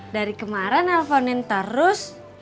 dari kemarin nelfonin terus